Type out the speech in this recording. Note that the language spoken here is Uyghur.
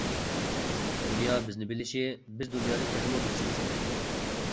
دۇنيا بىزنى بىلىشى، بىز دۇنيانى تېخىمۇ بىلىشىمىز كېرەك.